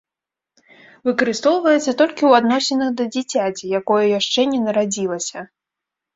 Выкарыстоўваецца толькі ў адносінах да дзіцяці, якое яшчэ не нарадзілася.